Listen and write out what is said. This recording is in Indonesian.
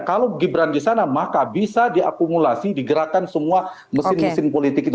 kalau gibran di sana maka bisa diakumulasi digerakkan semua mesin mesin politik itu